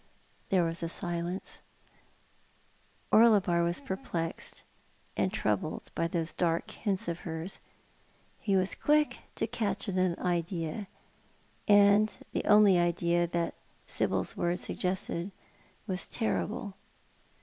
There was a silence. Orlebar was perplexed and troubled by those dark hints of hers. He was quick to catch at an idea — and the only idea that Sibyl's words suggested was terrible.